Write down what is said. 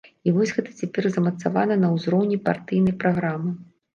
І вось гэта цяпер замацавана на ўзроўні партыйнай праграмы.